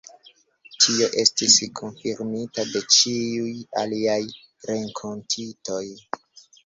Tio estis konfirmita de ĉiuj aliaj renkontitoj.